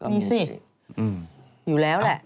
มีสิอยู่แล้วแหละ